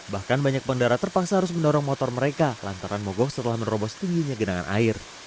bahkan banyak pengendara terpaksa harus mendorong motor mereka lantaran mogok setelah menerobos tingginya genangan air